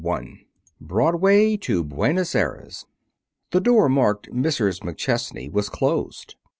I BROADWAY TO BUENOS AIRES The door marked "MRS. MCCHESNEY" was closed.